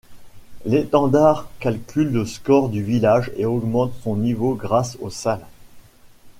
L’étendard calcule le score du village et augmente son niveau grâce aux salles.